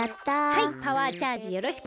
はいパワーチャージよろしく。